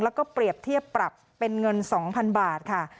แล้วก็เปรียบเทียบปรับเป็นเงิน๒๐๐๐บาทค่ะ